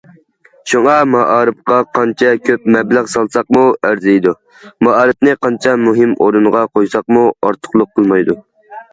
شۇڭا، مائارىپقا قانچە كۆپ مەبلەغ سالساقمۇ ئەرزىيدۇ، مائارىپنى قانچە مۇھىم ئورۇنغا قويساقمۇ ئارتۇقلۇق قىلمايدۇ.